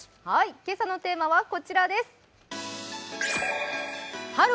今朝のテーマはこちらです。